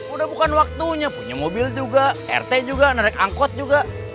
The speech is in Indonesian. udah bukan waktunya punya mobil juga rt juga naik angkot juga